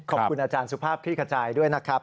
ขอบคุณอาจารย์สุภาพคลี่ขจายด้วยนะครับ